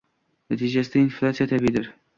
Natijada inflyatsiya tabiiydir